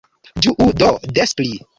Ĝuu do des pli!